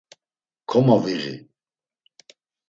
Komoviği.